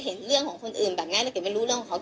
คือพี่ลองคิดดูสิที่พี่ไปลงกันที่ทุกคนพูด